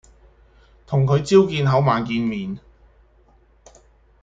同佢朝見口晚見面